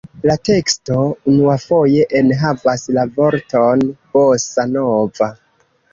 La teksto unuafoje enhavas la vorton „bossa-nova“.